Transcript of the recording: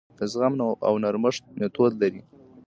د زغم او نرمښت میتود لري.